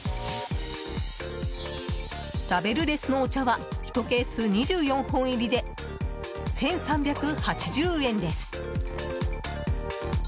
ラベルレスのお茶は、１ケース２４本入りで１３８０円です。